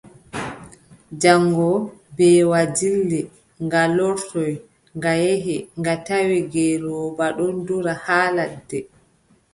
Jaŋngo mbeewa dilli, nga lortoy, nga yehi nga tawi ngeelooba ɗon dura haa ladde.